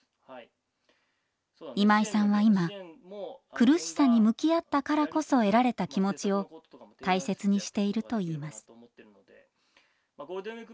今井さんは今苦しさに向き合ったからこそ得られた気持ちを大切にしているといいます。